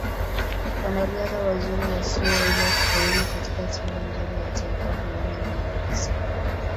Wanariadha wazuri wasioweza kufaulu katika timu nzuri ya taifa huona ni rahisi